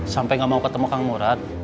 sampai gak mau ketemu kang murad